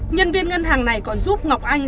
nhân viên ngân hàng này còn giúp ngọc anh